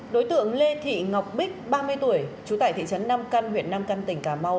đối tượng lê thị ngọc bích ba mươi tuổi trú tại thị trấn nam căn huyện nam căn tỉnh cà mau